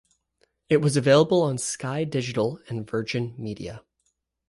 It was available on Sky Digital and Virgin Media.